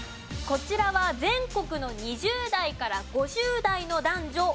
こちらは全国の２０代から５０代の男女